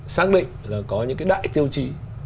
xác định là có những cái đại tiêu chí